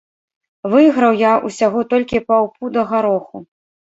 Выйграў я ўсяго толькі паўпуда гароху.